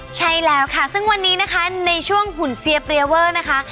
ใช่แล้วค่ะซึ่งวันนี้นะคะในช่วงหุ่นเซียเปรียเวอร์นะคะ